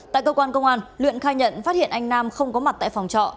tại công an luyện khai nhận phát hiện anh nam không có mặt tại phòng trọ